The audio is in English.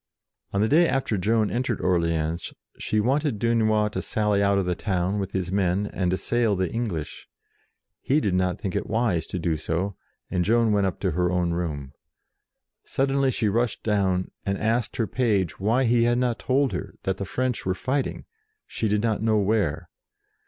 On the day after Joan entered Orleans she wanted Dunois to sally out of the town with his men and assail the English. He did not think it wise to do so, and Joan went up to her own room. Suddenly she rushed down and asked her page why he had not told her that the French were fighting, she did not know where.